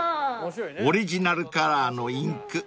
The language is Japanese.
［オリジナルカラーのインク